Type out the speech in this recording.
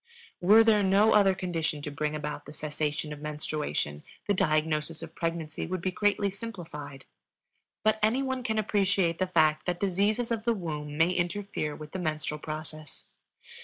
Were there no other condition to bring about the cessation of menstruation, the diagnosis of pregnancy would be greatly simplified. But any one can appreciate the fact that diseases of the womb may interfere with the menstrual process.